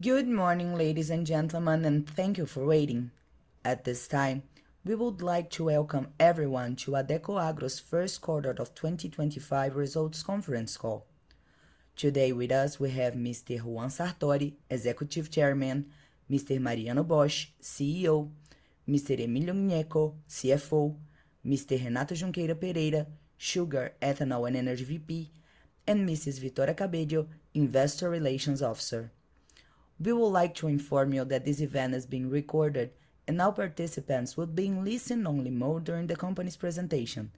Good morning, ladies and gentlemen, and thank you for waiting. At this time, we would like to welcome everyone to Adecoagro's first quarter of 2025 results conference call. Today with us, we have Mr. Juan Sartori, Executive Chairman; Mr. Mariano Bosch, CEO; Mr. Emilio Gnecco, CFO; Mr. Renato Junqueira, Sugar, Ethanol, and Energy VP; and Mrs. Victoria Cabello, Investor Relations Officer. We would like to inform you that this event is being recorded, and all participants will be in listen-only mode during the company's presentation.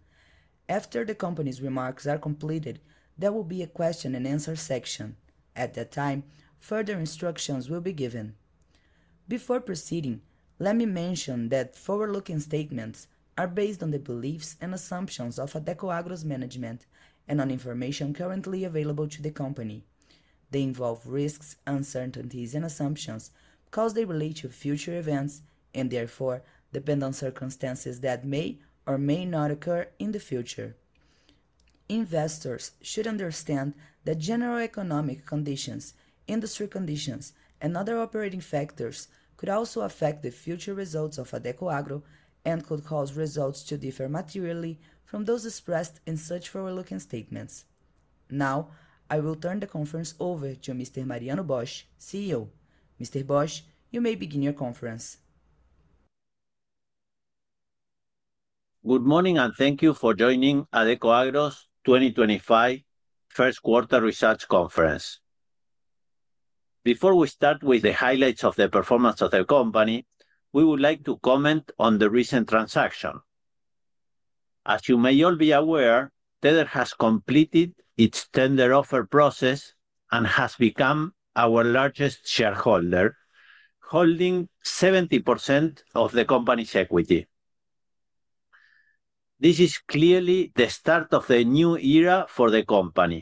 After the company's remarks are completed, there will be a question-and-answer section. At that time, further instructions will be given. Before proceeding, let me mention that forward-looking statements are based on the beliefs and assumptions of Adecoagro's management and on information currently available to the company. They involve risks, uncertainties, and assumptions because they relate to future events and, therefore, depend on circumstances that may or may not occur in the future. Investors should understand that general economic conditions, industry conditions, and other operating factors could also affect the future results of Adecoagro and could cause results to differ materially from those expressed in such forward-looking statements. Now, I will turn the conference over to Mr. Mariano Bosch, CEO. Mr. Bosch, you may begin your conference. Good morning, and thank you for joining Adecoagro's 2025 first quarter research conference. Before we start with the highlights of the performance of the company, we would like to comment on the recent transaction. As you may all be aware, Tether has completed its tender offer process and has become our largest shareholder, holding 70% of the company's equity. This is clearly the start of a new era for the company,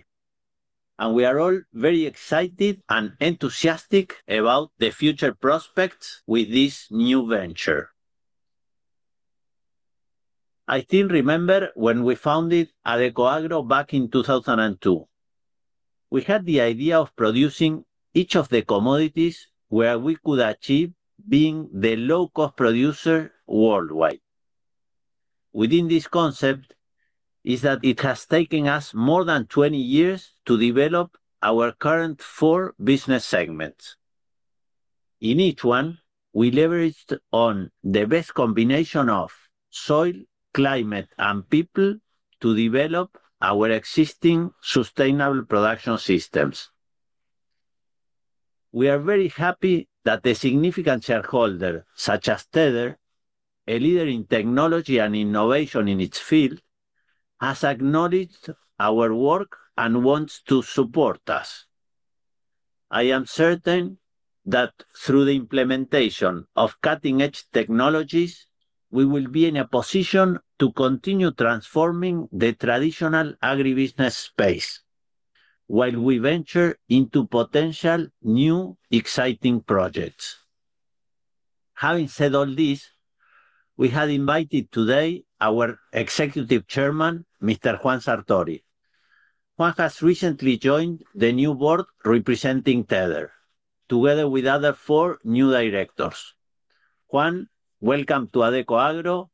and we are all very excited and enthusiastic about the future prospects with this new venture. I still remember when we founded Adecoagro back in 2002. We had the idea of producing each of the commodities where we could achieve being the low-cost producer worldwide. Within this concept is that it has taken us more than 20 years to develop our current four business segments. In each one, we leveraged the best combination of soil, climate, and people to develop our existing sustainable production systems. We are very happy that a significant shareholder such as Tether, a leader in technology and innovation in its field, has acknowledged our work and wants to support us. I am certain that through the implementation of cutting-edge technologies, we will be in a position to continue transforming the traditional agribusiness space while we venture into potential new exciting projects. Having said all this, we have invited today our Executive Chairman, Mr. Juan Sartori. Juan has recently joined the new board representing Tether, together with other four new directors. Juan, welcome to Adecoagro.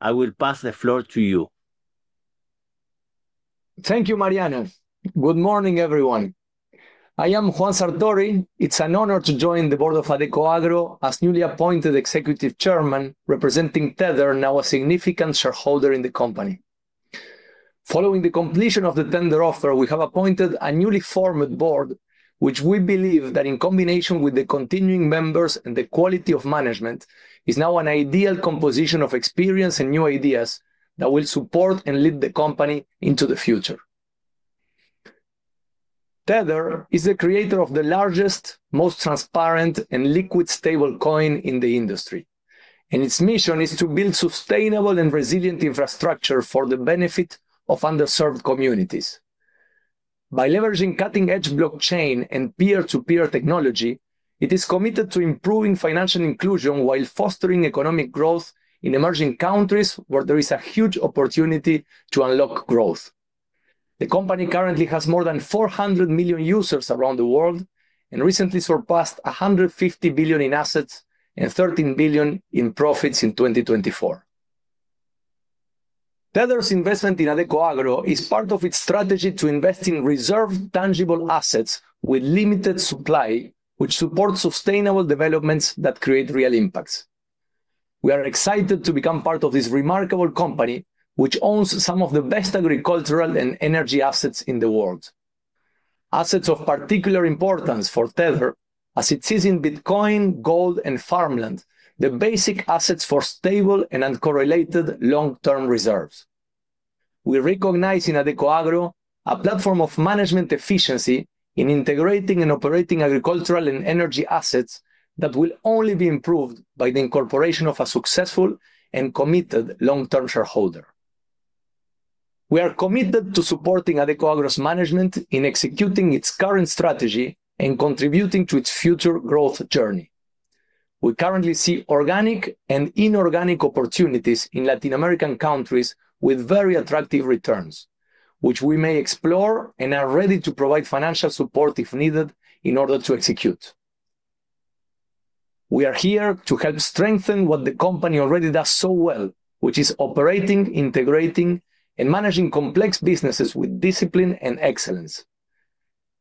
I will pass the floor to you. Thank you, Mariano. Good morning, everyone. I am Juan Sartori. It is an honor to join the board of Adecoagro as newly appointed Executive Chairman representing Tether, now a significant shareholder in the company. Following the completion of the tender offer, we have appointed a newly formed board, which we believe that in combination with the continuing members and the quality of management is now an ideal composition of experience and new ideas that will support and lead the company into the future. Tether is the creator of the largest, most transparent, and liquid stablecoin in the industry, and its mission is to build sustainable and resilient infrastructure for the benefit of underserved communities. By leveraging cutting-edge blockchain and peer-to-peer technology, it is committed to improving financial inclusion while fostering economic growth in emerging countries where there is a huge opportunity to unlock growth. The company currently has more than 400 million users around the world and recently surpassed $150 billion in assets and $13 billion in profits in 2024. Tether's investment in Adecoagro is part of its strategy to invest in reserved tangible assets with limited supply, which supports sustainable developments that create real impacts. We are excited to become part of this remarkable company, which owns some of the best agricultural and energy assets in the world, assets of particular importance for Tether, as it sees in Bitcoin, gold, and farmland, the basic assets for stable and uncorrelated long-term reserves. We recognize in Adecoagro a platform of management efficiency in integrating and operating agricultural and energy assets that will only be improved by the incorporation of a successful and committed long-term shareholder. We are committed to supporting Adecoagro's management in executing its current strategy and contributing to its future growth journey. We currently see organic and inorganic opportunities in Latin American countries with very attractive returns, which we may explore and are ready to provide financial support if needed in order to execute. We are here to help strengthen what the company already does so well, which is operating, integrating, and managing complex businesses with discipline and excellence.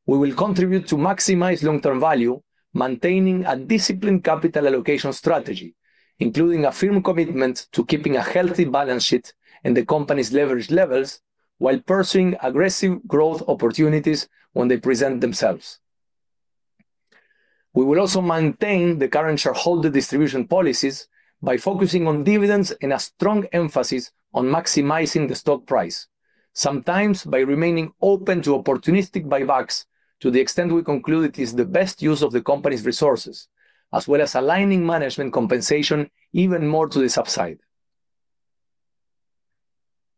We will contribute to maximize long-term value, maintaining a disciplined capital allocation strategy, including a firm commitment to keeping a healthy balance sheet and the company's leverage levels while pursuing aggressive growth opportunities when they present themselves. We will also maintain the current shareholder distribution policies by focusing on dividends and a strong emphasis on maximizing the stock price, sometimes by remaining open to opportunistic buybacks to the extent we conclude it is the best use of the company's resources, as well as aligning management compensation even more to the subside.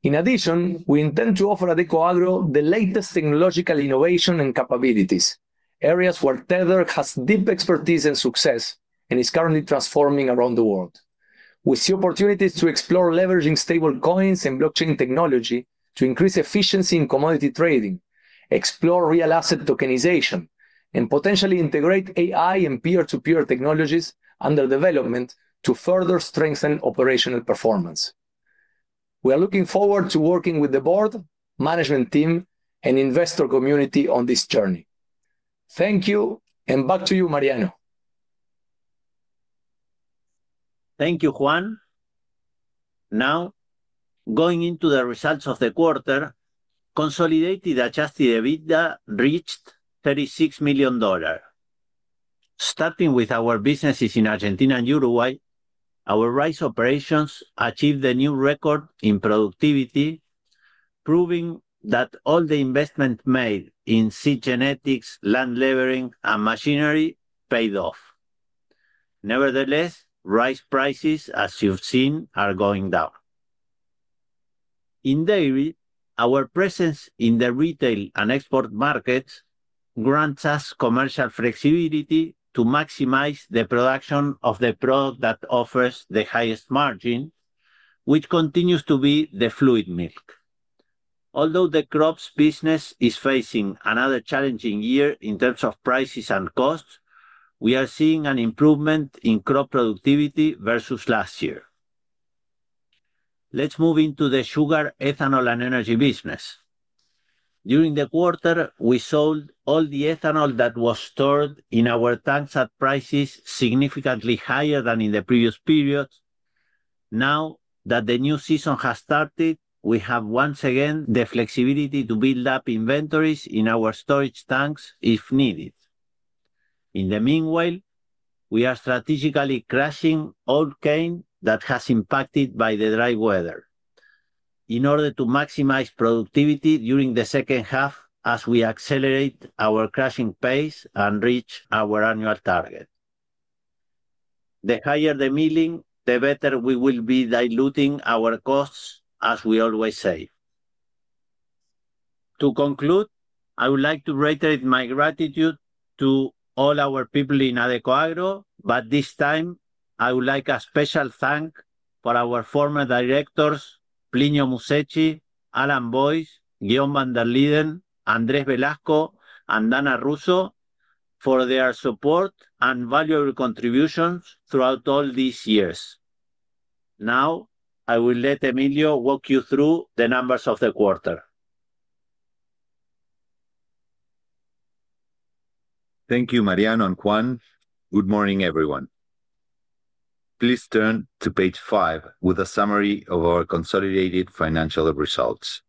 In addition, we intend to offer Adecoagro the latest technological innovation and capabilities, areas where Tether has deep expertise and success and is currently transforming around the world. We see opportunities to explore leveraging stablecoins and blockchain technology to increase efficiency in commodity trading, explore real asset tokenization, and potentially integrate AI and peer-to-peer technologies under development to further strengthen operational performance. We are looking forward to working with the board, management team, and investor community on this journey. Thank you, and back to you, Mariano. Thank you, Juan. Now, going into the results of the quarter, consolidated adjusted EBITDA reached $36 million. Starting with our businesses in Argentina and Uruguay, our rice operations achieved a new record in productivity, proving that all the investment made in seed genetics, land leveling, and machinery paid off. Nevertheless, rice prices, as you've seen, are going down. In dairy, our presence in the retail and export markets grants us commercial flexibility to maximize the production of the product that offers the highest margin, which continues to be the fluid milk. Although the crops business is facing another challenging year in terms of prices and costs, we are seeing an improvement in crop productivity versus last year. Let's move into the sugar, ethanol, and energy business. During the quarter, we sold all the ethanol that was stored in our tanks at prices significantly higher than in the previous period. Now that the new season has started, we have once again the flexibility to build up inventories in our storage tanks if needed. In the meanwhile, we are strategically crushing old cane that has been impacted by the dry weather in order to maximize productivity during the second half as we accelerate our crushing pace and reach our annual target. The higher the milling, the better we will be diluting our costs, as we always say. To conclude, I would like to reiterate my gratitude to all our people in Adecoagro, but this time, I would like a special thank you for our former directors, Plinio Musetti, Alan Leland Boyce, Guillaume van der Linden, Andres Velasco Brañes, and Ana Cristina Russo, for their support and valuable contributions throughout all these years. Now, I will let Emilio walk you through the numbers of the quarter. Thank you, Mariano and Juan. Good morning, everyone. Please turn to page five with a summary of our consolidated financial results.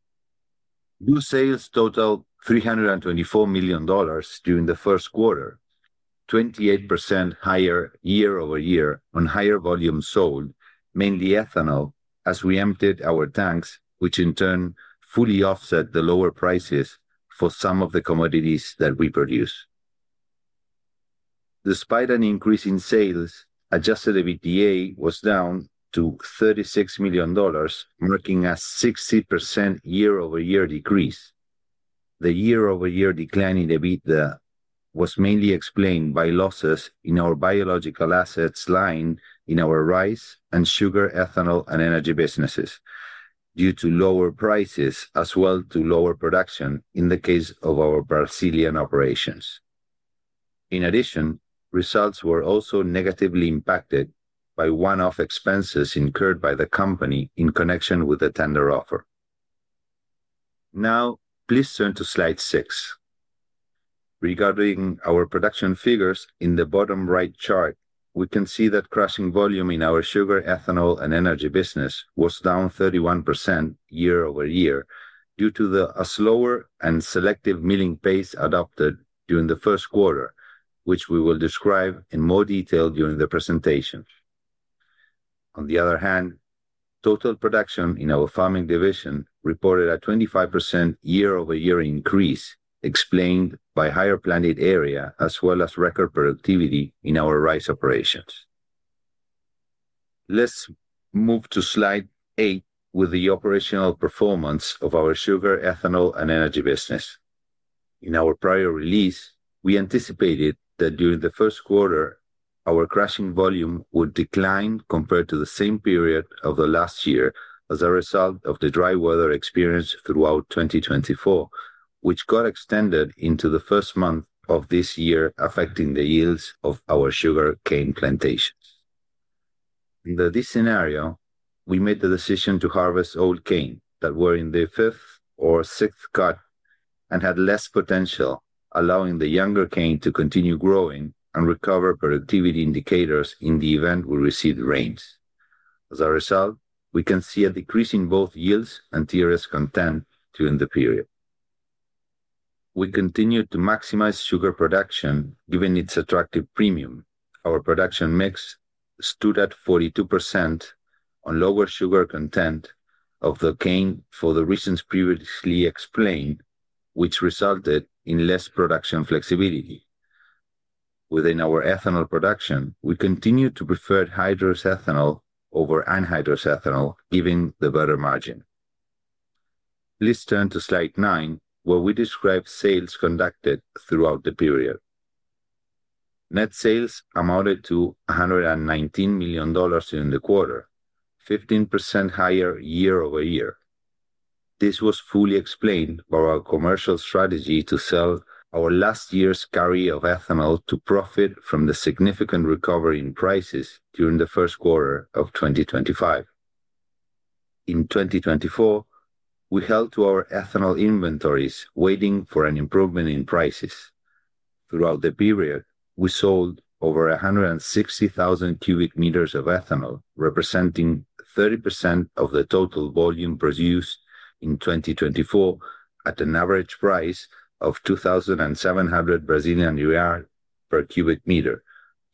New sales totaled $324 million during the first quarter, 28% higher year-over-year on higher volume sold, mainly ethanol, as we emptied our tanks, which in turn fully offset the lower prices for some of the commodities that we produce. Despite an increase in sales, adjusted EBITDA was down to $36 million, marking a 60% year-over-year decrease. The year-over-year decline in EBITDA was mainly explained by losses in our biological assets line in our rice and sugar, ethanol, and energy businesses due to lower prices, as well as to lower production in the case of our Brazilian operations. In addition, results were also negatively impacted by one-off expenses incurred by the company in connection with the tender offer. Now, please turn to slide six. Regarding our production figures, in the bottom right chart, we can see that crushing volume in our sugar, ethanol, and energy business was down 31% year-over-year due to a slower and selective milling pace adopted during the first quarter, which we will describe in more detail during the presentation. On the other hand, total production in our farming division reported a 25% year-over-year increase explained by higher planted area as well as record productivity in our rice operations. Let's move to slide eight with the operational performance of our sugar, ethanol, and energy business. In our prior release, we anticipated that during the first quarter, our crushing volume would decline compared to the same period of the last year as a result of the dry weather experienced throughout 2024, which got extended into the first month of this year, affecting the yields of our sugarcane plantations. In this scenario, we made the decision to harvest old cane that were in the fifth or sixth cut and had less potential, allowing the younger cane to continue growing and recover productivity indicators in the event we receive rains. As a result, we can see a decrease in both yields and TRS content during the period. We continued to maximize sugar production given its attractive premium. Our production mix stood at 42% on lower sugar content of the cane for the reasons previously explained, which resulted in less production flexibility. Within our ethanol production, we continued to prefer hydrous ethanol over anhydrous ethanol, giving the better margin. Please turn to slide nine, where we describe sales conducted throughout the period. Net sales amounted to $119 million during the quarter, 15% higher year-over-year. This was fully explained by our commercial strategy to sell our last year's carry of ethanol to profit from the significant recovery in prices during the first quarter of 2025. In 2024, we held to our ethanol inventories waiting for an improvement in prices. Throughout the period, we sold over 160,000 cubic meters of ethanol, representing 30% of the total volume produced in 2024 at an average price of 2,700 per cubic meter,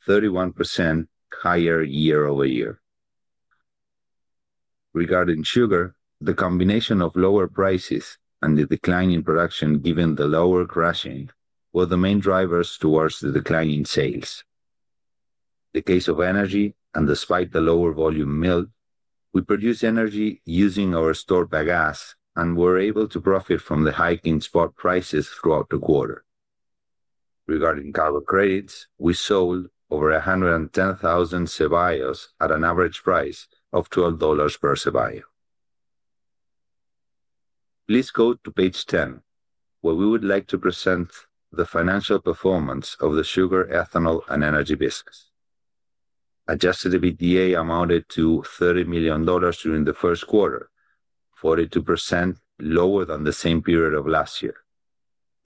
31% higher year-over-year. Regarding sugar, the combination of lower prices and the decline in production given the lower crushing were the main drivers towards the decline in sales. In the case of energy, and despite the lower volume milled, we produced energy using our stored biogas and were able to profit from the hike in spot prices throughout the quarter. Regarding cargo credits, we sold over 110,000 Ceballos at an average price of $12 per Ceballo. Please go to page ten, where we would like to present the financial performance of the sugar, ethanol, and energy business. Adjusted EBITDA amounted to $30 million during the first quarter, 42% lower than the same period of last year.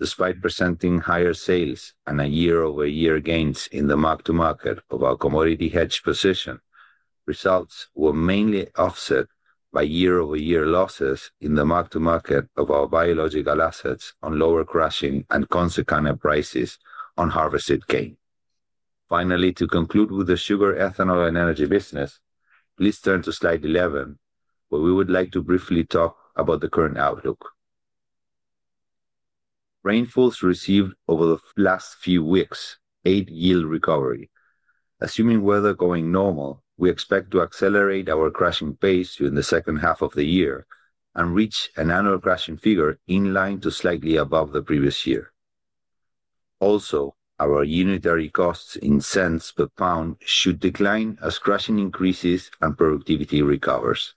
Despite presenting higher sales and year-over-year gains in the mark-to-market of our commodity hedge position, results were mainly offset by year-over-year losses in the mark-to-market of our biological assets on lower crushing and consequent prices on harvested cane. Finally, to conclude with the sugar, ethanol, and energy business, please turn to slide 11, where we would like to briefly talk about the current outlook. Rainfalls received over the last few weeks aid yield recovery. Assuming weather going normal, we expect to accelerate our crushing pace during the second half of the year and reach an annual crushing figure in line to slightly above the previous year. Also, our unitary costs in cents per pound should decline as crushing increases and productivity recovers.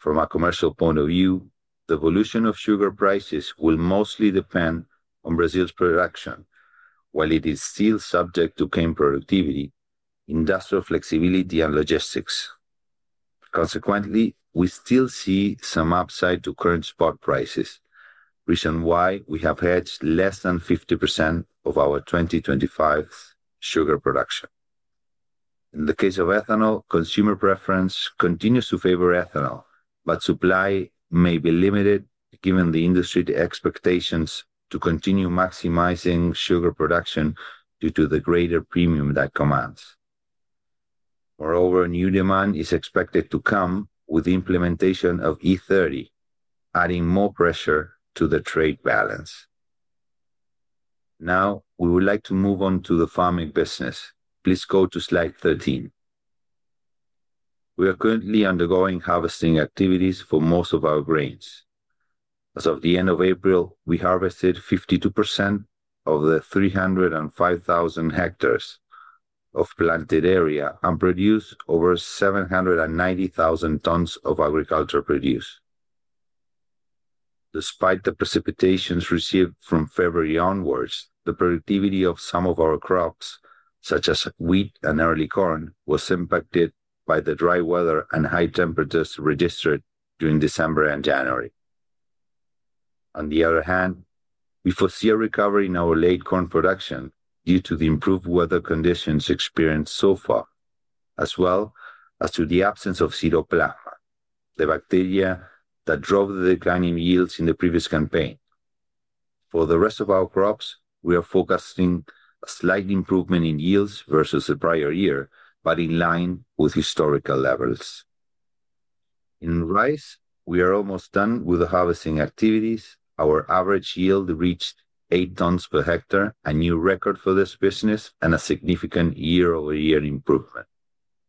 From a commercial point of view, the evolution of sugar prices will mostly depend on Brazil's production, while it is still subject to cane productivity, industrial flexibility, and logistics. Consequently, we still see some upside to current spot prices, reason why we have hedged less than 50% of our 2025 sugar production. In the case of ethanol, consumer preference continues to favor ethanol, but supply may be limited given the industry expectations to continue maximizing sugar production due to the greater premium that commands. Moreover, new demand is expected to come with the implementation of E30, adding more pressure to the trade balance. Now, we would like to move on to the farming business. Please go to slide 13. We are currently undergoing harvesting activities for most of our grains. As of the end of April, we harvested 52% of the 305,000 hectares of planted area and produced over 790,000 tons of agriculture produce. Despite the precipitations received from February onwards, the productivity of some of our crops, such as wheat and early corn, was impacted by the dry weather and high temperatures registered during December and January. On the other hand, we foresee a recovery in our late corn production due to the improved weather conditions experienced so far, as well as to the absence of cytoplasma, the bacteria that drove the declining yields in the previous campaign. For the rest of our crops, we are focusing a slight improvement in yields versus the prior year, but in line with historical levels. In rice, we are almost done with the harvesting activities. Our average yield reached 8 tons per hectare, a new record for this business and a significant year-over-year improvement.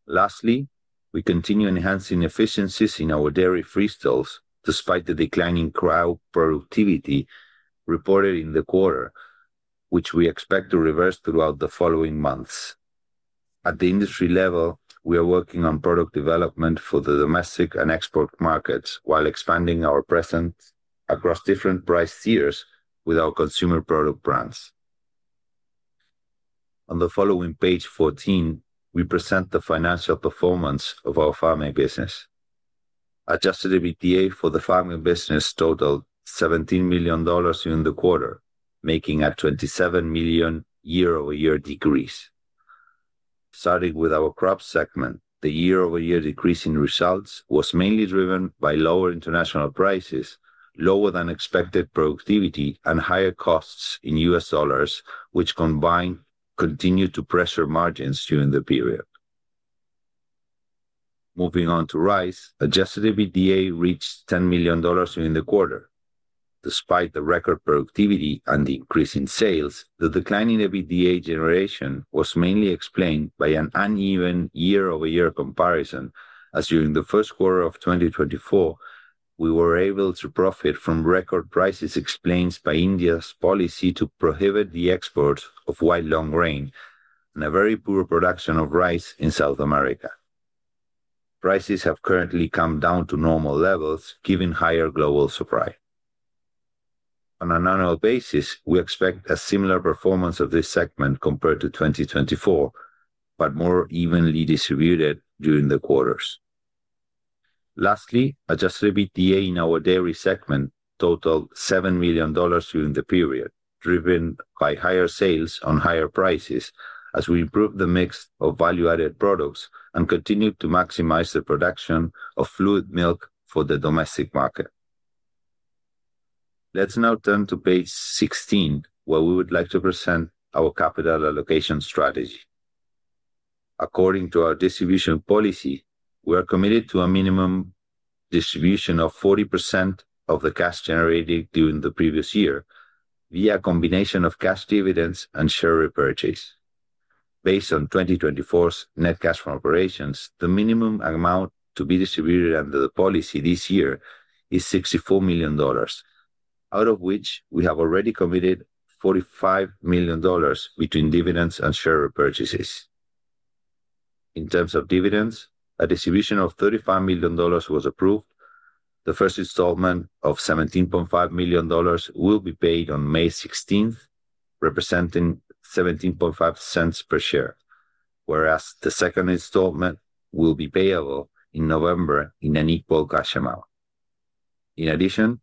Lastly, we continue enhancing efficiencies in our dairy freestalls despite the declining crop productivity reported in the quarter, which we expect to reverse throughout the following months. At the industry level, we are working on product development for the domestic and export markets while expanding our presence across different price tiers with our consumer product brands. On the following page 14, we present the financial performance of our farming business. Adjusted EBITDA for the farming business totaled $17 million during the quarter, making a $27 million year-over-year decrease. Starting with our crop segment, the year-over-year decrease in results was mainly driven by lower international prices, lower than expected productivity, and higher costs in U.S. dollars, which combined continued to pressure margins during the period. Moving on to rice, adjusted EBITDA reached $10 million during the quarter. Despite the record productivity and the increase in sales, the declining EBITDA generation was mainly explained by an uneven year-over-year comparison, as during the first quarter of 2024, we were able to profit from record prices explained by India's policy to prohibit the export of wild long grain and a very poor production of rice in South America. Prices have currently come down to normal levels, giving higher global supply. On an annual basis, we expect a similar performance of this segment compared to 2024, but more evenly distributed during the quarters. Lastly, adjusted EBITDA in our dairy segment totaled $7 million during the period, driven by higher sales on higher prices as we improved the mix of value-added products and continued to maximize the production of fluid milk for the domestic market. Let's now turn to page 16, where we would like to present our capital allocation strategy. According to our distribution policy, we are committed to a minimum distribution of 40% of the cash generated during the previous year via a combination of cash dividends and share repurchase. Based on 2024's net cash from operations, the minimum amount to be distributed under the policy this year is $64 million, out of which we have already committed $45 million between dividends and share repurchases. In terms of dividends, a distribution of $35 million was approved. The first installment of $17.5 million will be paid on May 16th, representing $0.175 per share, whereas the second installment will be payable in November in an equal cash amount. In addition,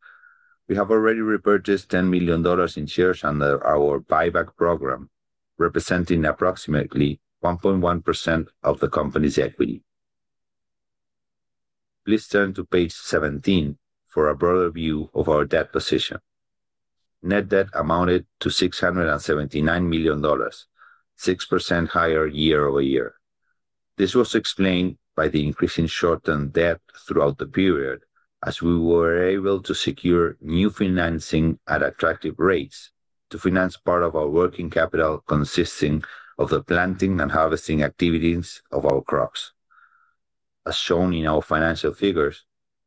we have already repurchased $10 million in shares under our buyback program, representing approximately 1.1% of the company's equity. Please turn to page 17 for a broader view of our debt position. Net debt amounted to $679 million, 6% higher year-over-year. This was explained by the increase in short-term debt throughout the period, as we were able to secure new financing at attractive rates to finance part of our working capital consisting of the planting and harvesting activities of our crops. As shown in our financial figures,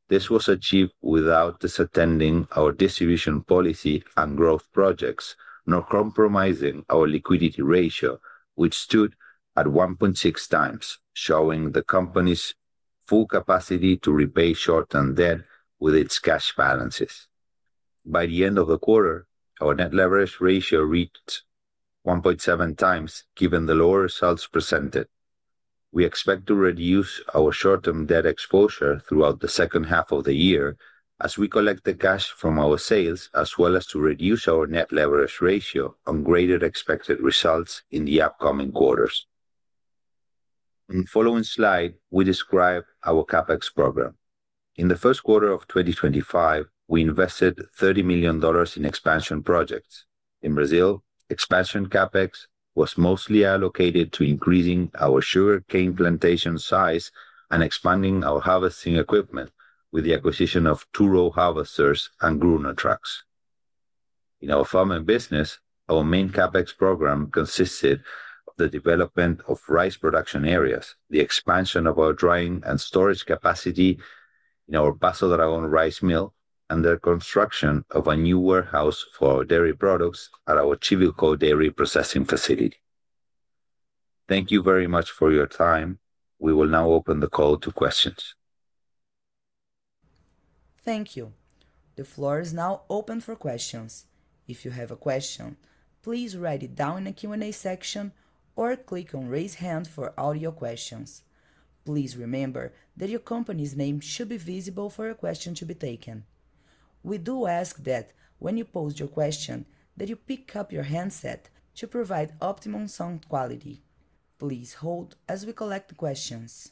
this was achieved without disattending our distribution policy and growth projects, nor compromising our liquidity ratio, which stood at 1.6x, showing the company's full capacity to repay short-term debt with its cash balances. By the end of the quarter, our net leverage ratio reached 1.7x given the lower results presented. We expect to reduce our short-term debt exposure throughout the second half of the year as we collect the cash from our sales, as well as to reduce our net leverage ratio on greater expected results in the upcoming quarters. In the following slide, we describe our CapEx program. In the first quarter of 2025, we invested $30 million in expansion projects. In Brazil, expansion CapEx was mostly allocated to increasing our sugar cane plantation size and expanding our harvesting equipment with the acquisition of two-row harvesters and gruner trucks. In our farming business, our main CapEx program consisted of the development of rice production areas, the expansion of our drying and storage capacity in our Paso Dragón rice mill, and the construction of a new warehouse for our dairy products at our Chivilcoy dairy processing facility. Thank you very much for your time. We will now open the call to questions. Thank you. The floor is now open for questions. If you have a question, please write it down in the Q&A section or click on "Raise Hand" for audio questions. Please remember that your company's name should be visible for a question to be taken. We do ask that when you post your question, that you pick up your handset to provide optimum sound quality. Please hold as we collect the questions.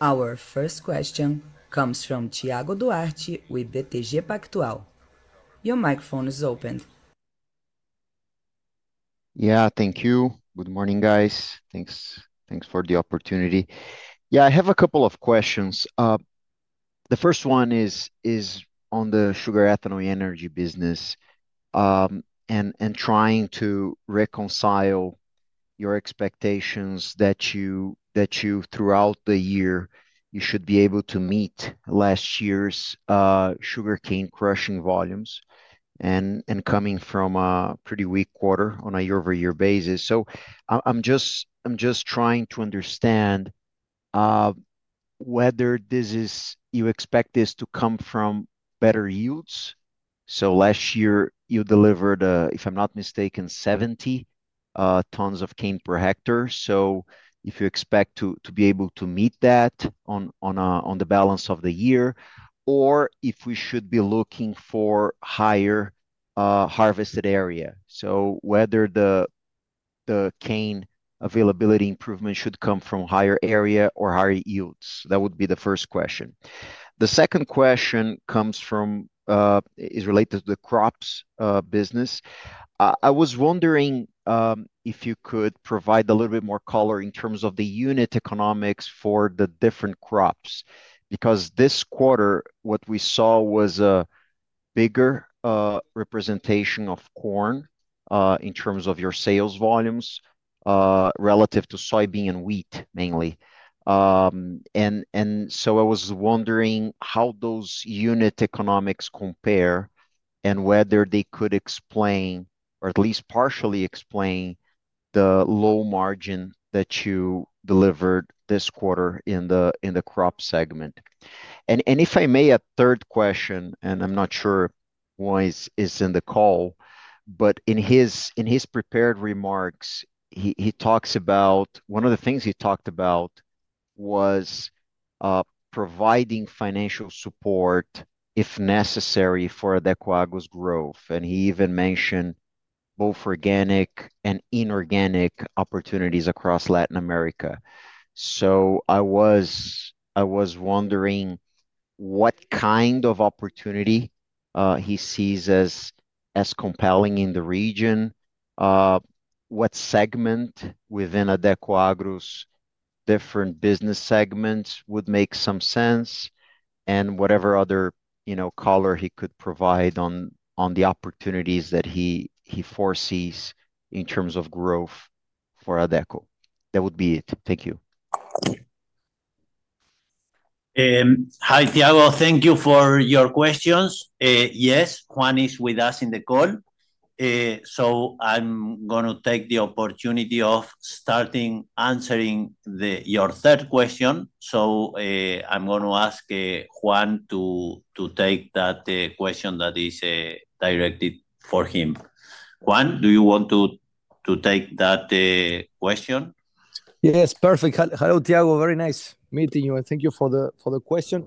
Our first question comes from Thiago Duarte with BTG Pactual. Your microphone is opened. Yeah, thank you. Good morning, guys. Thanks for the opportunity. Yeah, I have a couple of questions. The first one is on the sugar-ethanol energy business, and trying to reconcile your expectations that you, throughout the year, you should be able to meet last year's sugarcane crushing volumes and coming from a pretty weak quarter on a year-over-year basis. I'm just trying to understand whether this is, you expect this to come from better yields. Last year, you delivered, if I'm not mistaken, 70 tons of cane per hectare. If you expect to be able to meet that on the balance of the year, or if we should be looking for higher harvested area. Whether the cane availability improvement should come from higher area or higher yields, that would be the first question. The second question comes from, is related to the crops business. I was wondering if you could provide a little bit more color in terms of the unit economics for the different crops, because this quarter, what we saw was a bigger representation of corn in terms of your sales volumes, relative to soybean and wheat mainly. I was wondering how those unit economics compare and whether they could explain, or at least partially explain, the low margin that you delivered this quarter in the crop segment. If I may, a third question, and I'm not sure why he is in the call, but in his prepared remarks, he talks about one of the things he talked about was providing financial support if necessary for Adecoagro's growth. He even mentioned both organic and inorganic opportunities across Latin America. I was wondering what kind of opportunity he sees as compelling in the region, what segment within Adecoagro's different business segments would make some sense, and whatever other, you know, color he could provide on the opportunities that he foresees in terms of growth for Adeco. That would be it. Thank you. Hi, Thiago. Thank you for your questions. Yes, Juan is with us in the call. I am going to take the opportunity of starting answering your third question. I am going to ask Juan to take that question that is directed for him. Juan, do you want to take that question? Yes, perfect. Hello, Thiago. Very nice meeting you. Thank you for the question.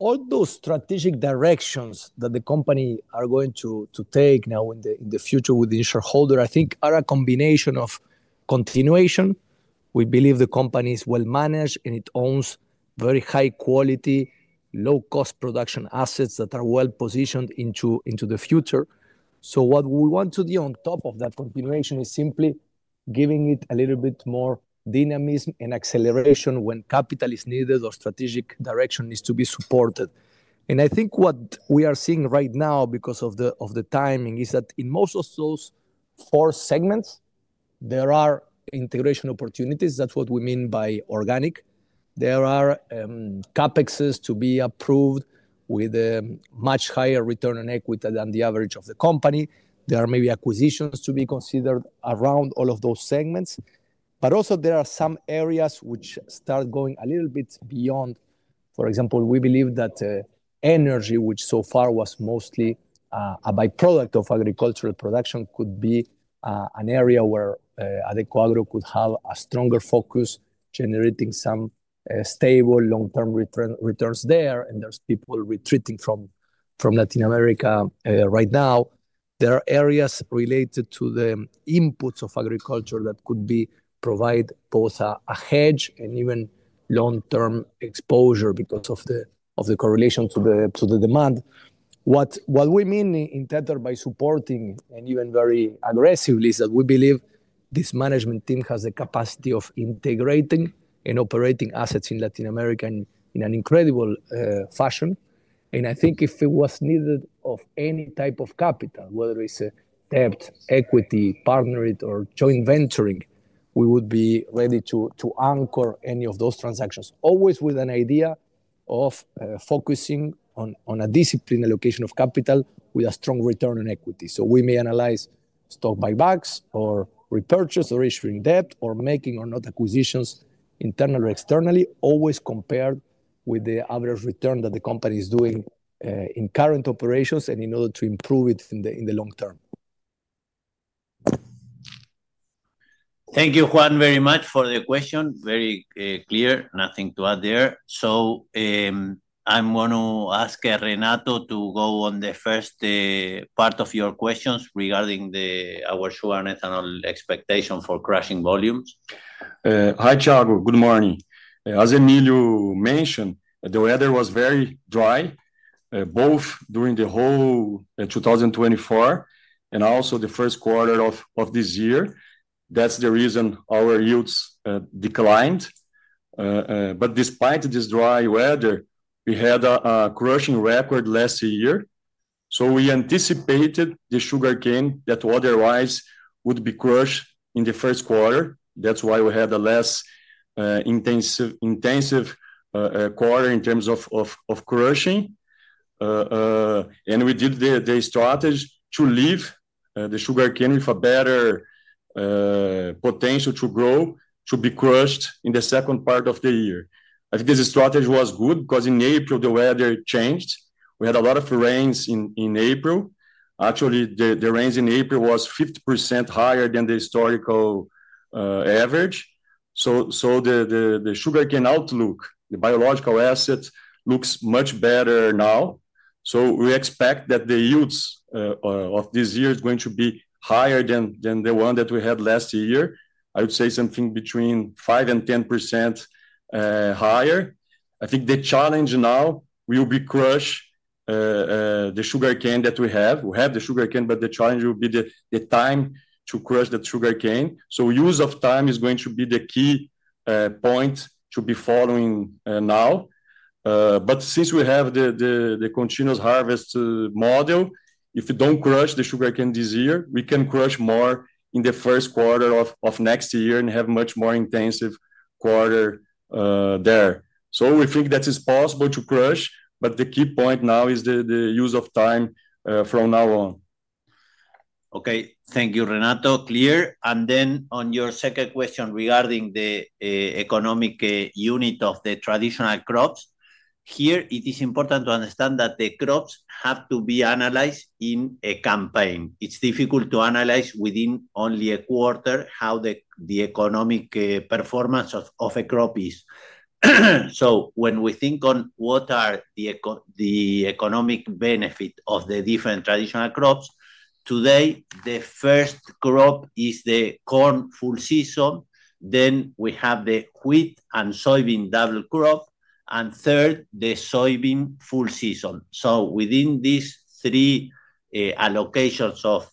All those strategic directions that the company are going to take now in the future with the shareholder, I think, are a combination of continuation. We believe the company is well-managed and it owns very high-quality, low-cost production assets that are well-positioned into the future. What we want to do on top of that continuation is simply giving it a little bit more dynamism and acceleration when capital is needed or strategic direction needs to be supported. I think what we are seeing right now, because of the timing, is that in most of those four segments, there are integration opportunities. That is what we mean by organic. There are CapExes to be approved with a much higher return on equity than the average of the company. There are maybe acquisitions to be considered around all of those segments. There are some areas which start going a little bit beyond. For example, we believe that energy, which so far was mostly a byproduct of agricultural production, could be an area where Adecoagro could have a stronger focus, generating some stable long-term returns there. There are people retreating from Latin America right now. There are areas related to the inputs of agriculture that could provide both a hedge and even long-term exposure because of the correlation to the demand. What we mean in Tether by supporting and even very aggressively is that we believe this management team has the capacity of integrating and operating assets in Latin America in an incredible fashion. I think if it was needed of any type of capital, whether it's debt, equity, partner it, or joint venturing, we would be ready to anchor any of those transactions, always with an idea of focusing on a disciplined allocation of capital with a strong return on equity. We may analyze stock buybacks or repurchase or issuing debt or making or not acquisitions internally or externally, always compared with the average return that the company is doing in current operations and in order to improve it in the long term. Thank you, Juan, very much for the question. Very clear. Nothing to add there. I am going to ask Renato to go on the first part of your questions regarding our sugar and ethanol expectation for crushing volumes. Hi, Thiago. Good morning. As Emilio mentioned, the weather was very dry, both during the whole 2024 and also the first quarter of this year. That's the reason our yields declined. But despite this dry weather, we had a crushing record last year. We anticipated the sugarcane that otherwise would be crushed in the first quarter. That's why we had a less intensive quarter in terms of crushing. We did the strategy to leave the sugarcane with a better potential to grow to be crushed in the second part of the year. I think this strategy was good because in April, the weather changed. We had a lot of rains in April. Actually, the rains in April were 50% higher than the historical average. The sugarcane outlook, the biological asset, looks much better now. We expect that the yields of this year are going to be higher than the one that we had last year. I would say something between 5% and 10% higher. I think the challenge now will be to crush the sugar cane that we have. We have the sugar cane, but the challenge will be the time to crush that sugar cane. Use of time is going to be the key point to be following now. Since we have the continuous harvest model, if we do not crush the sugar cane this year, we can crush more in the first quarter of next year and have a much more intensive quarter there. We think that it is possible to crush, but the key point now is the use of time from now on. Okay, thank you, Renato. Clear. On your second question regarding the economic unit of the traditional crops, here it is important to understand that the crops have to be analyzed in a campaign. It's difficult to analyze within only a quarter how the economic performance of a crop is. When we think on what are the economic benefit of the different traditional crops, today the first crop is the corn full season, then we have the wheat and soybean double crop, and third, the soybean full season. Within these three allocations of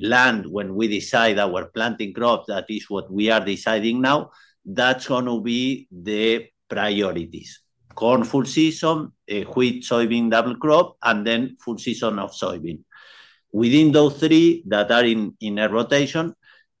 land, when we decide our planting crops, that is what we are deciding now, that's going to be the priorities: corn full season, wheat, soybean double crop, and then full season of soybean. Within those three that are in a rotation,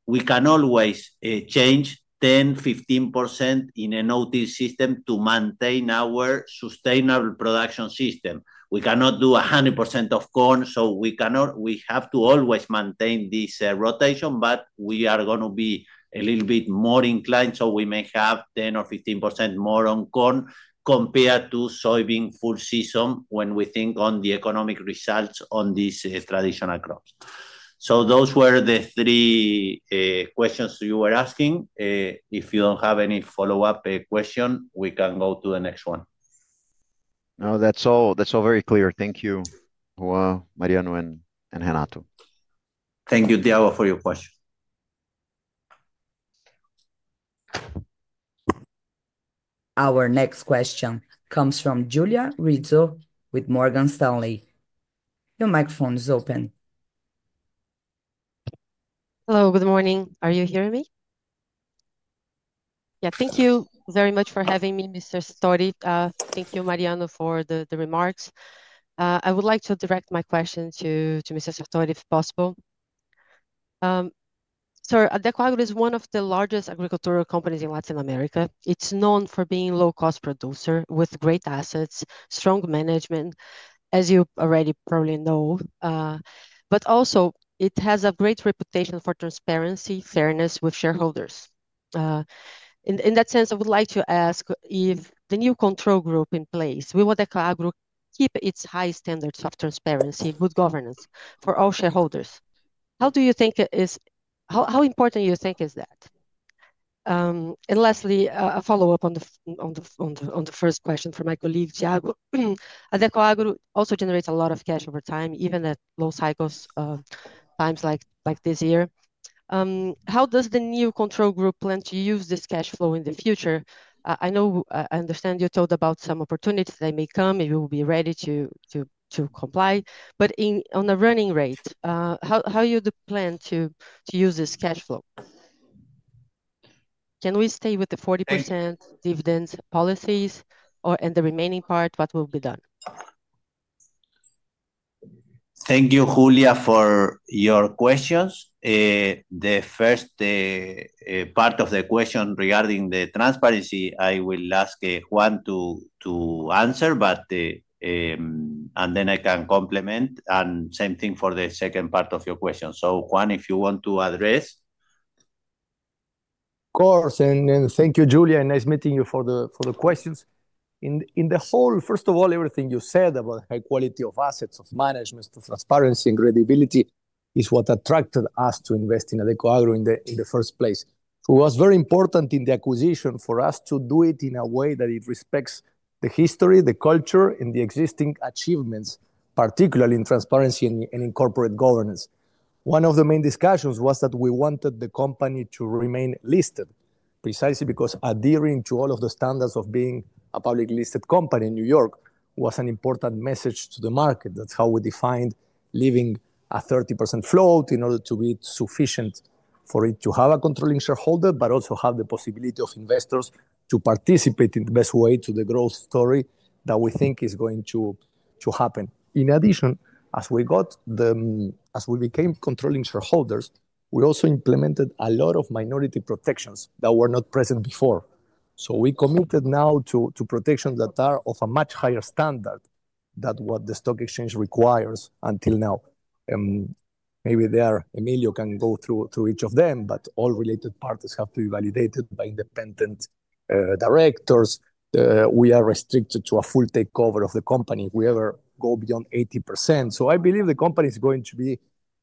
we can always change 10%-15% in an OT system to maintain our sustainable production system. We cannot do 100% of corn, so we have to always maintain this rotation, but we are going to be a little bit more inclined, so we may have 10%-15% more on corn compared to soybean full season when we think on the economic results on these traditional crops. So those were the three questions you were asking. If you do not have any follow-up question, we can go to the next one. No, that is all, that is all very clear. Thank you, Juan, Mariano, and Renato. Thank you, Thiago, for your question. Our next question comes from Julia Rizzo with Morgan Stanley. Your microphone is open. Hello, good morning. Are you hearing me? Yeah, thank you very much for having me, Mr. Sartori. Thank you, Mariano, for the remarks. I would like to direct my question to Mr. Sartori, if possible. So, Adecoagro is one of the largest agricultural companies in Latin America. It's known for being a low-cost producer with great assets, strong management, as you already probably know, but also, it has a great reputation for transparency, fairness with shareholders. In that sense, I would like to ask if the new control group in place, will Adecoagro keep its high standards of transparency, good governance for all shareholders? How do you think it is? How important do you think is that? And lastly, a follow-up on the first question for my colleague, Thiago. Adecoagro also generates a lot of cash over time, even at low cycles of times like this year. How does the new control group plan to use this cash flow in the future? I know I understand you told about some opportunities that may come, if you will be ready to comply. In a running rate, how are you planning to use this cash flow? Can we stay with the 40% dividend policies, and the remaining part, what will be done? Thank you, Julia, for your questions. The first part of the question regarding the transparency, I will ask Juan to answer, and then I can complement, and same thing for the second part of your question. Juan, if you want to address. Of course. Thank you, Julia. Nice meeting you for the questions. First of all, everything you said about high quality of assets, of management, of transparency and credibility is what attracted us to invest in Adecoagro in the first place. It was very important in the acquisition for us to do it in a way that it respects the history, the culture, and the existing achievements, particularly in transparency and in corporate governance. One of the main discussions was that we wanted the company to remain listed, precisely because adhering to all of the standards of being a public listed company in New York was an important message to the market. That's how we defined leaving a 30% float in order to be sufficient for it to have a controlling shareholder, but also have the possibility of investors to participate in the best way to the growth story that we think is going to happen. In addition, as we became controlling shareholders, we also implemented a lot of minority protections that were not present before. We committed now to protections that are of a much higher standard than what the stock exchange requires until now. Maybe there, Emilio can go through each of them, but all related parties have to be validated by independent directors. We are restricted to a full takeover of the company if we ever go beyond 80%. I believe the company is going to be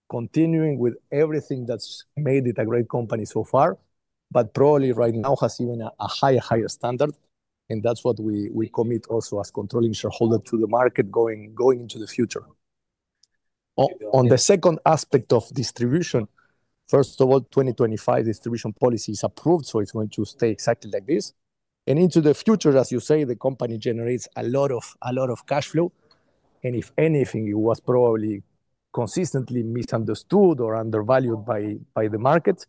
continuing with everything that's made it a great company so far, but probably right now has even a higher standard. That's what we commit also as controlling shareholder to the market going into the future. On the second aspect of distribution, first of all, 2025 distribution policy is approved, so it's going to stay exactly like this. Into the future, as you say, the company generates a lot of cash flow. If anything, it was probably consistently misunderstood or undervalued by the market.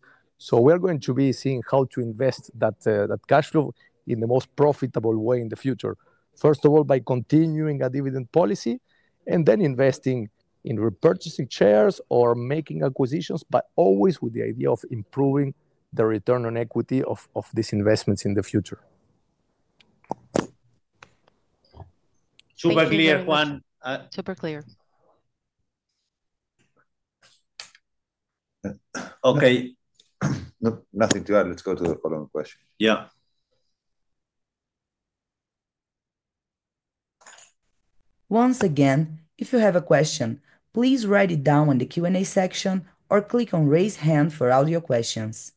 We're going to be seeing how to invest that cash flow in the most profitable way in the future. First of all, by continuing a dividend policy and then investing in repurchasing shares or making acquisitions, but always with the idea of improving the return on equity of these investments in the future. Super clear, Juan. Super clear. Okay. Nothing to add. Let's go to the following question. Yeah. Once again, if you have a question, please write it down in the Q&A section or click on raise hand for audio questions.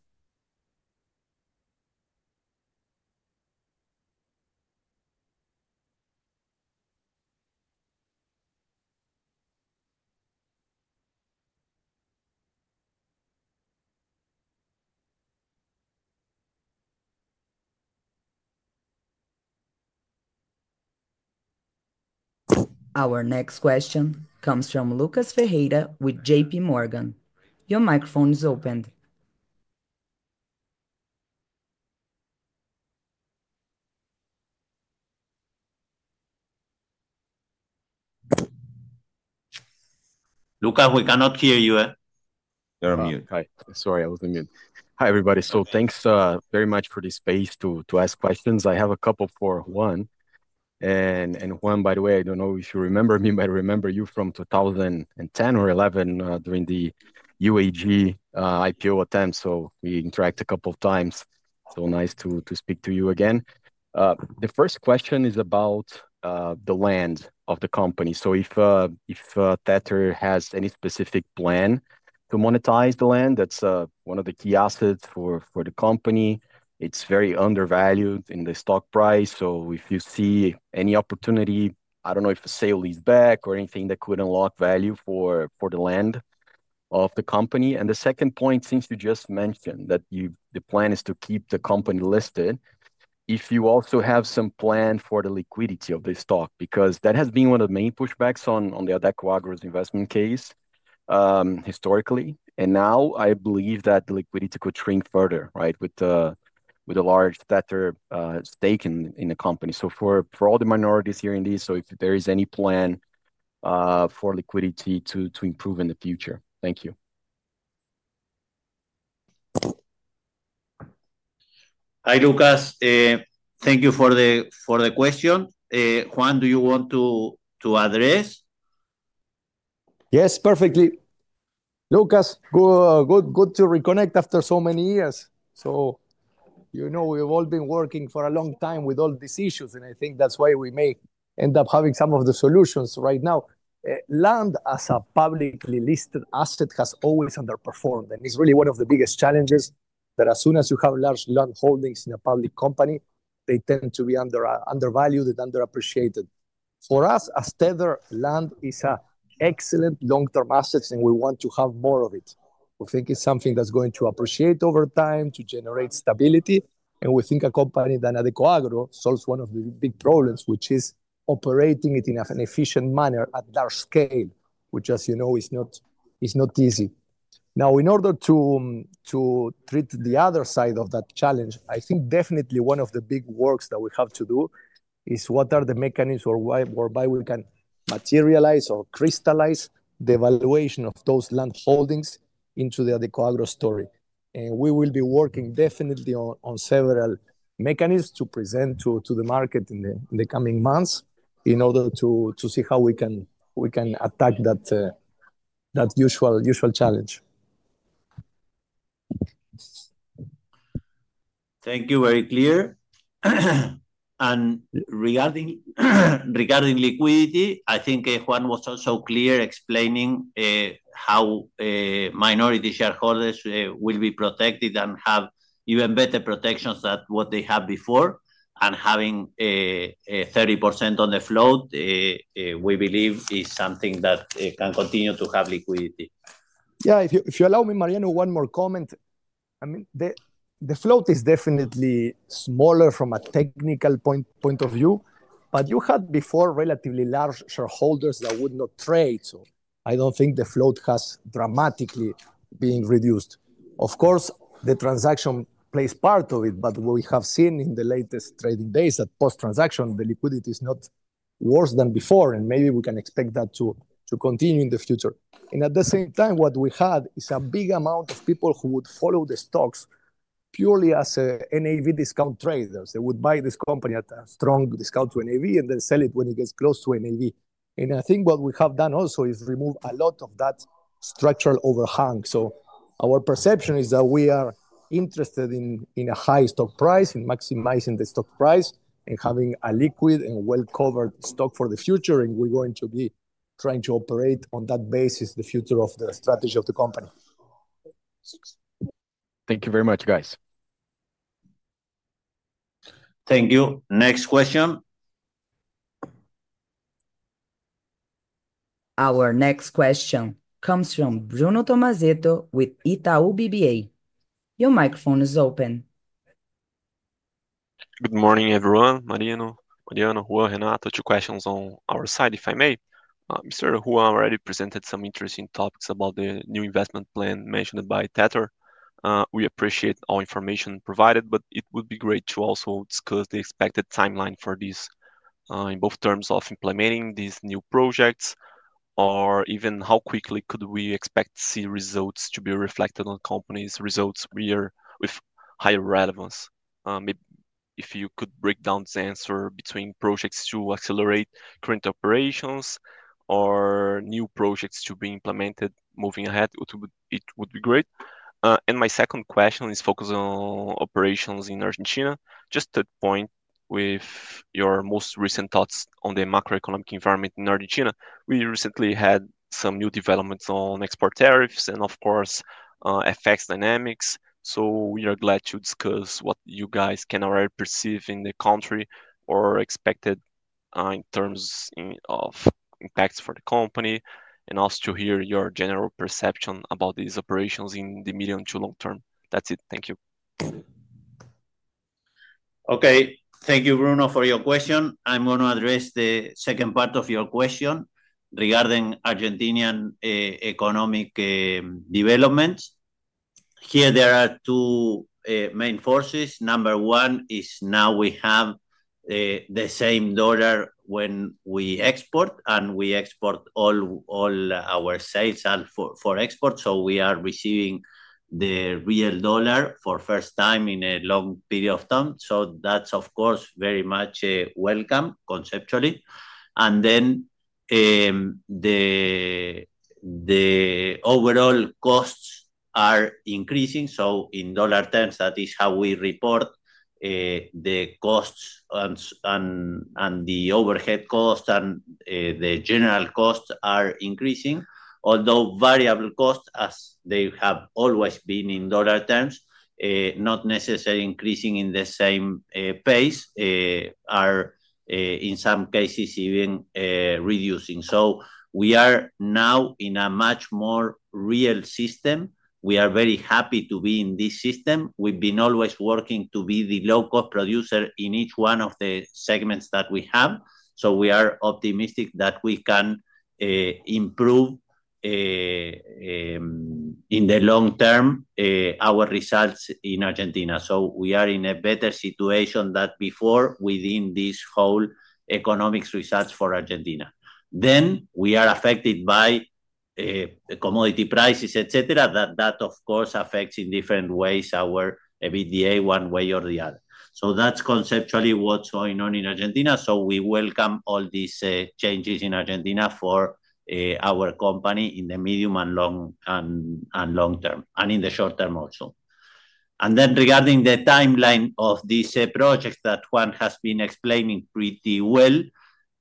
Our next question comes from Lucas Ferreira with JPMorgan. Your microphone is opened. Lucas, we cannot hear you. You're on mute. Sorry, I was on mute. Hi, everybody. Thanks very much for this space to ask questions. I have a couple for Juan. Juan, by the way, I do not know if you remember me, but I remember you from 2010 or 2011 during the UAG IPO attempt. We interact a couple of times. Nice to speak to you again. The first question is about the land of the company. If Tether has any specific plan to monetize the land, that's one of the key assets for the company. It's very undervalued in the stock price. If you see any opportunity, I don't know if a sale is back or anything that could unlock value for the land of the company. The second point, since you just mentioned that the plan is to keep the company listed, if you also have some plan for the liquidity of the stock, because that has been one of the main pushbacks on Adecoagro's investment case historically. Now I believe that the liquidity could shrink further, right, with a large Tether stake in the company. For all the minorities here in these, if there is any plan for liquidity to improve in the future. Thank you. Hi, Lucas. Thank you for the question. Juan, do you want to address? Yes, perfectly. Lucas, good to reconnect after so many years. You know, we've all been working for a long time with all these issues, and I think that's why we may end up having some of the solutions right now. Land as a publicly listed asset has always underperformed, and it's really one of the biggest challenges that as soon as you have large land holdings in a public company, they tend to be undervalued and underappreciated. For us, as Tether, land is an excellent long-term asset, and we want to have more of it. We think it's something that's going to appreciate over time to generate stability. We think a company like Adecoagro solves one of the big problems, which is operating it in an efficient manner at large scale, which, as you know, is not easy. Now, in order to treat the other side of that challenge, I think definitely one of the big works that we have to do is what are the mechanisms or why whereby we can materialize or crystallize the valuation of those land holdings into the Adecoagro story. We will be working definitely on several mechanisms to present to the market in the coming months in order to see how we can attack that usual challenge. Thank you, very clear. Regarding liquidity, I think Juan was also clear explaining how minority shareholders will be protected and have even better protections than what they had before. Having 30% on the float, we believe is something that can continue to have liquidity. Yeah, if you allow me, Mariano, one more comment. I mean, the float is definitely smaller from a technical point of view, but you had before relatively large shareholders that would not trade. I do not think the float has dramatically been reduced. Of course, the transaction plays part of it, but we have seen in the latest trading days that post-transaction, the liquidity is not worse than before, and maybe we can expect that to continue in the future. At the same time, what we had is a big amount of people who would follow the stocks purely as NAV discount traders. They would buy this company at a strong discount to NAV and then sell it when it gets close to NAV. I think what we have done also is remove a lot of that structural overhang. Our perception is that we are interested in a high stock price, in maximizing the stock price, and having a liquid and well-covered stock for the future. We are going to be trying to operate on that basis, the future of the strategy of the company. Thank you very much, guys. Thank you. Next question. Our next question comes from Bruno Tomazzetto with Itaú BBA. Your microphone is open. Good morning, everyone. Mariano, Juan, Renato, two questions on our side, if I may. Mr. Juan already presented some interesting topics about the new investment plan mentioned by Tether. We appreciate all information provided, but it would be great to also discuss the expected timeline for this in both terms of implementing these new projects or even how quickly could we expect to see results to be reflected on companies' results with higher relevance. Maybe if you could break down the answer between projects to accelerate current operations or new projects to be implemented moving ahead, it would be great. My second question is focused on operations in Argentina. Just third point with your most recent thoughts on the macroeconomic environment in Argentina. We recently had some new developments on export tariffs and, of course, effects dynamics. We are glad to discuss what you guys can already perceive in the country or expect in terms of impacts for the company and also to hear your general perception about these operations in the medium to long term. That's it. Thank you. Okay, thank you, Bruno, for your question. I'm going to address the second part of your question regarding Argentinian economic developments. Here, there are two main forces. Number one is now we have the same dollar when we export, and we export all our sales and for export. We are receiving the real dollar for the first time in a long period of time. That is, of course, a very much welcome conceptually. Then the overall costs are increasing. In dollar terms, that is how we report the costs and the overhead costs and the general costs are increasing, although variable costs, as they have always been in dollar terms, not necessarily increasing at the same pace, are in some cases even reducing. We are now in a much more real system. We are very happy to be in this system. We have always been working to be the low-cost producer in each one of the segments that we have. We are optimistic that we can improve in the long term our results in Argentina. We are in a better situation than before within these whole economic results for Argentina. We are affected by commodity prices, et cetera, that, of course, affects in different ways our EBITDA one way or the other. That is conceptually what is going on in Argentina. We welcome all these changes in Argentina for our company in the medium and long term and in the short term also. Regarding the timeline of these projects that Juan has been explaining pretty well,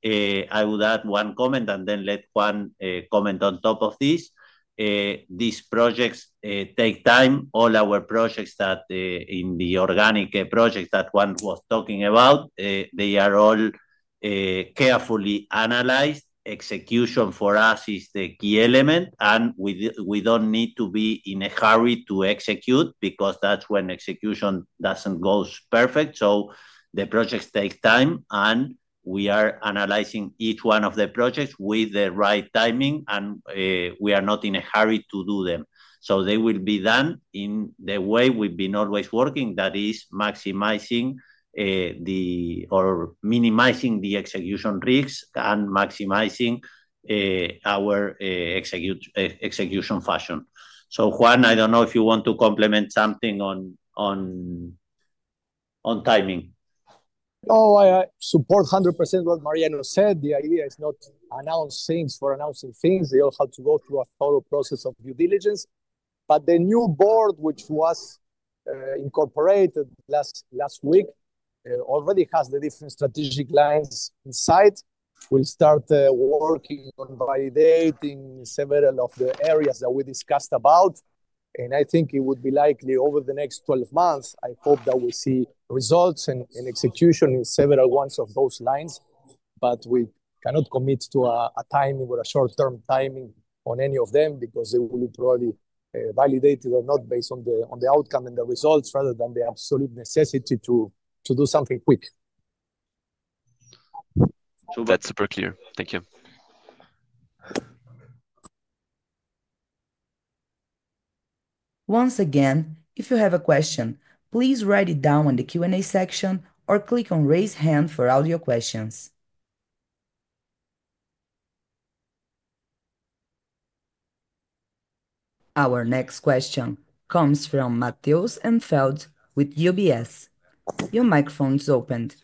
I would add one comment and then let Juan comment on top of this. These projects take time. All our projects, the organic projects that Juan was talking about, are all carefully analyzed. Execution for us is the key element, and we do not need to be in a hurry to execute because that is when execution does not go perfect. The projects take time, and we are analyzing each one of the projects with the right timing, and we are not in a hurry to do them. They will be done in the way we've been always working, that is maximizing or minimizing the execution risks and maximizing our execution fashion. Juan, I don't know if you want to complement something on timing. Oh, I support 100% what Mariano said. The idea is not to announce things for announcing things. They all have to go through a thorough process of due diligence. The new board, which was incorporated last week, already has the different strategic lines in sight. We'll start working on validating several of the areas that we discussed about. I think it would be likely over the next 12 months, I hope that we see results and execution in several ones of those lines. But we cannot commit to a timing or a short-term timing on any of them because they will probably validate it or not based on the outcome and the results rather than the absolute necessity to do something quick. That is super clear. Thank you. Once again, if you have a question, please write it down in the Q&A section or click on raise hand for audio questions. Our next question comes from Matheus Enfeldt with UBS. Your microphone is opened.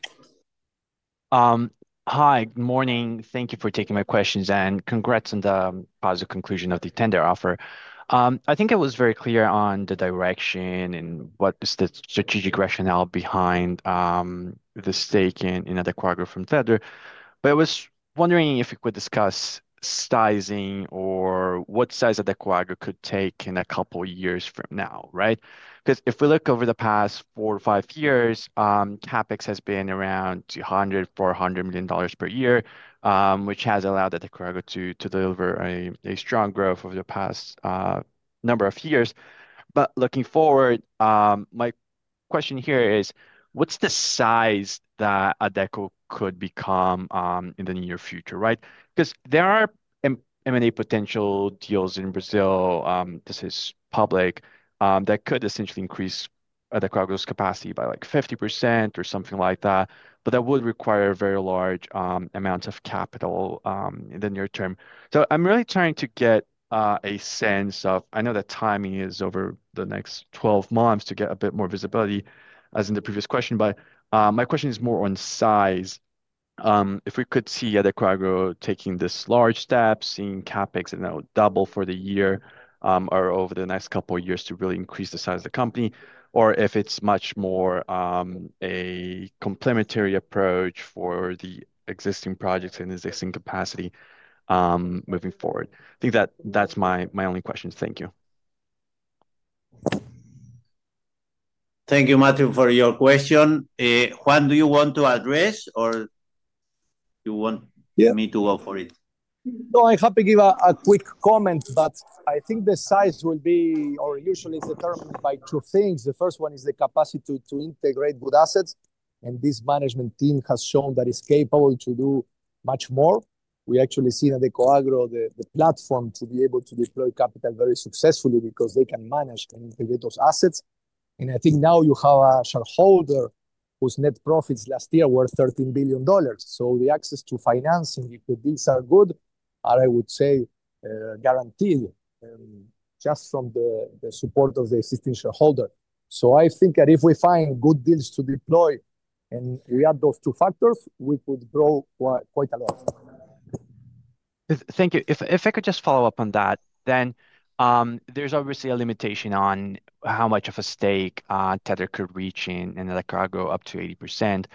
Hi, good morning. Thank you for taking my questions and congrats on the positive conclusion of the tender offer. I think it was very clear on the direction and what is the strategic rationale behind the stake in Adecoagro from Tether. I was wondering if you could discuss sizing or what size Adecoagro could take in a couple of years from now, right? Because if we look over the past four or five years, CapEx has been around $200 million-$400 million per year, which has allowed Adecoagro to deliver a strong growth over the past number of years. Looking forward, my question here is, what's the size that Adeco could become in the near future, right? There are M&A potential deals in Brazil, this is public, that could essentially increase Adecoagro's capacity by like 50% or something like that, but that would require very large amounts of capital in the near term. I'm really trying to get a sense of, I know that timing is over the next 12 months to get a bit more visibility, as in the previous question, but my question is more on size. If we could see Adecoagro taking this large step, seeing CapEx now double for the year or over the next couple of years to really increase the size of the company, or if it is much more a complementary approach for the existing projects and existing capacity moving forward. I think that is my only question. Thank you. Thank you, Matheus, for your question. Juan, do you want to address or do you want me to go for it? No, I am happy to give a quick comment, but I think the size will be or usually is determined by two things. The first one is the capacity to integrate good assets. And this management team has shown that it is capable to do much more. We actually see that Adecoagro, the platform to be able to deploy capital very successfully because they can manage and integrate those assets. I think now you have a shareholder whose net profits last year were $13 billion. The access to financing, if the deals are good, I would say guaranteed just from the support of the existing shareholder. I think that if we find good deals to deploy and we add those two factors, we could grow quite a lot. Thank you. If I could just follow up on that, then there's obviously a limitation on how much of a stake Tether could reach in Adecoagro up to 80%,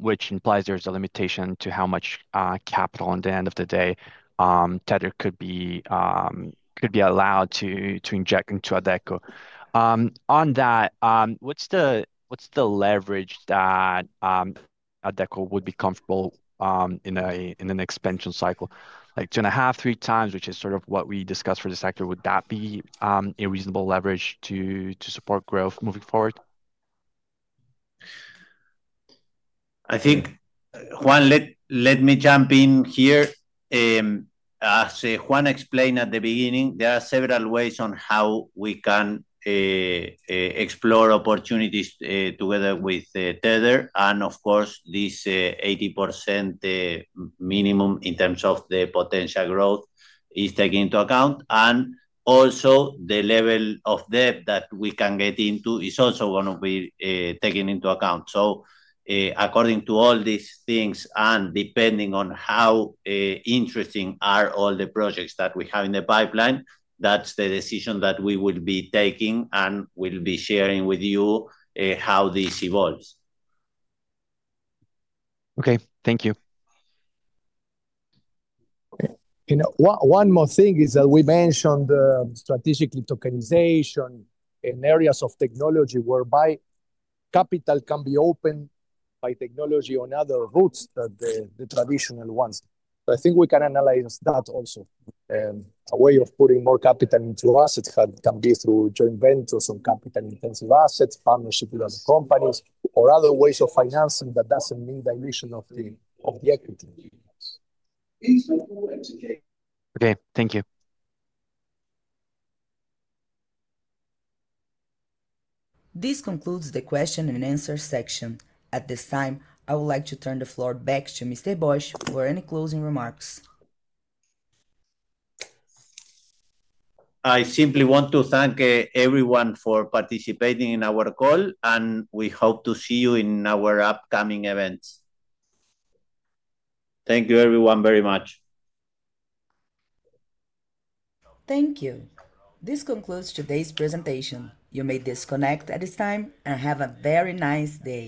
which implies there's a limitation to how much capital at the end of the day Tether could be allowed to inject into Adeco. On that, what's the leverage that Adeco would be comfortable in an expansion cycle, like two and a half, three times, which is sort of what we discussed for this sector, would that be a reasonable leverage to support growth moving forward? I think Juan, let me jump in here. As Juan explained at the beginning, there are several ways on how we can explore opportunities together with Tether. Of course, this 80% minimum in terms of the potential growth is taken into account. Also, the level of debt that we can get into is also going to be taken into account. According to all these things and depending on how interesting are all the projects that we have in the pipeline, that's the decision that we will be taking and will be sharing with you how this evolves. Okay, thank you. You know, one more thing is that we mentioned strategically tokenization in areas of technology whereby capital can be opened by technology on other routes than the traditional ones. I think we can analyze that also. A way of putting more capital into assets can be through joint ventures on capital-intensive assets, partnership with other companies, or other ways of financing that doesn't mean dilution of the equity. Okay, thank you. This concludes the question and answer section. At this time, I would like to turn the floor back to Mr. Bosch for any closing remarks. I simply want to thank everyone for participating in our call, and we hope to see you in our upcoming events. Thank you, everyone, very much. Thank you. This concludes today's presentation. You may disconnect at this time and have a very nice day.